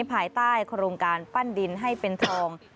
ภายใต้โครงการปั้นดินให้เป็นทอง